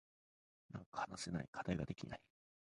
なんか話せない。課題ができない。